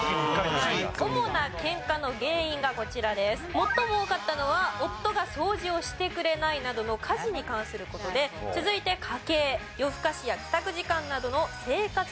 最も多かったのは夫が掃除をしてくれないなどの家事に関する事で続いて家計夜更かしや帰宅時間などの生活時間となっているようです。